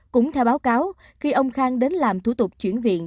cũng theo báo cáo khi ông khang đến làm thủ tục chuyển viện